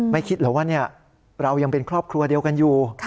คิดเหรอว่าเรายังเป็นครอบครัวเดียวกันอยู่